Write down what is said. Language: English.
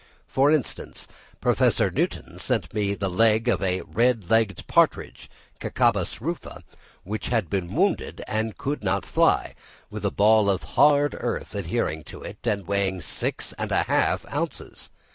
For instance, Professor Newton sent me the leg of a red legged partridge (Caccabis rufa) which had been wounded and could not fly, with a ball of hard earth adhering to it, and weighing six and a half ounces.